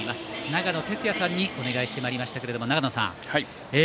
長野哲也さんにお願いしてまいりましたけども長野さん